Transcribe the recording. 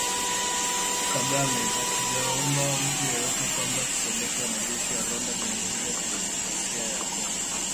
Kagame: Hatujaomba mtu yeyote kwamba tupeleke wanajeshi wa Rwanda Jamuhuri ya Kidemokrasia ya Kongo